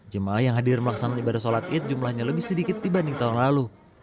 jemaah yang hadir melaksanakan ibadah sholat id jumlahnya lebih sedikit dibanding tahun lalu